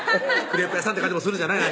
クレープ屋さんって感じもするじゃない？